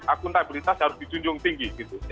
akuntabilitas harus dijunjung tinggi